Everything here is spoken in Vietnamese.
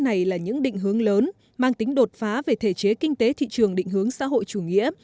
này là những định hướng lớn mang tính đột phá về thể chế kinh tế thị trường định hướng xã hội chủ nghĩa